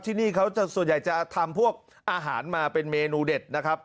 ที่นี่เขาส่วนใหญ่จะทำพวกอาหารมาเป็นเมนูเด็ดนะครับ